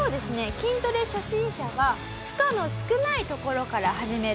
筋トレ初心者は負荷の少ないところから始める。